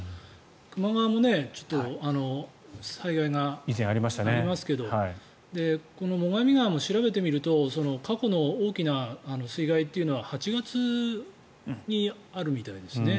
球磨川も災害がありますけど最上川も調べてみると過去の大きな水害というのは８月にあるみたいですね。